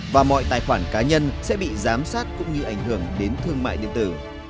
và mọi tài khoản cá nhân sẽ bị giám sát cũng như ảnh hưởng đến thương mại điện tử